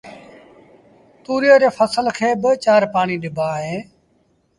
تُوريئي ري ڦسل کي با چآر پآڻيٚ ڏبآ اهيݩ